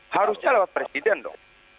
harusnya lewat presiden dong